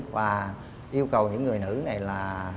và yêu cầu những người nữ này là